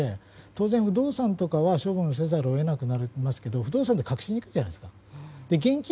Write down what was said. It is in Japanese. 当然、不動産とかは処分せざるを得なくなりますが不動産は隠しにくいじゃないですか。